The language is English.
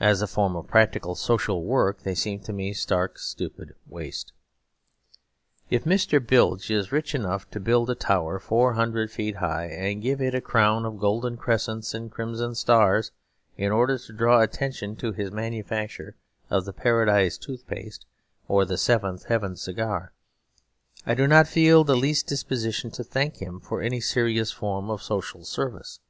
As a form of practical social work they seem to me stark stupid waste. If Mr. Bilge is rich enough to build a tower four hundred feet high and give it a crown of golden crescents and crimson stars, in order to draw attention to his manufacture of the Paradise Tooth Paste or The Seventh Heaven Cigar, I do not feel the least disposition to thank him for any serious form of social service.